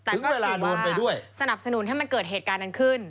แต่ถึงเวลาโดนไปด้วยสนับสนุนให้มันเกิดเหตุการณ์นั้นขึ้น